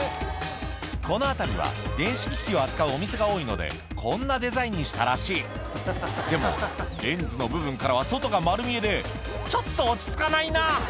この辺りは電子機器を扱うお店が多いのでこんなデザインにしたらしいでもレンズの部分からは外が丸見えでちょっと落ち着かないな！